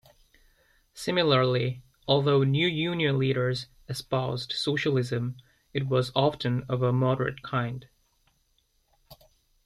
Similarly, although New Union leaders espoused socialism it was often of a moderate kind.